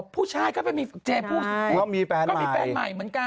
พูดชายก็เป็นมีแฟนใหม่เค้าก็มีแฟนใหม่เหมือนกัน